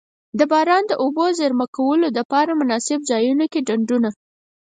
د باران د اوبو د زیرمه کولو دپاره مناسب ځایونو کی ډنډونه.